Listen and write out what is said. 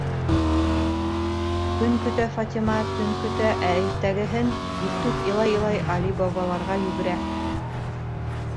Көн көтә Фатима, төн көтә, ә иртәгәһен иртүк илай-илай Али Бабаларға йүгерә.